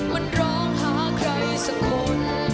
มันร้องหาใครสักคน